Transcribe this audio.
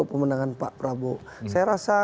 pemenangan pak prabowo saya rasa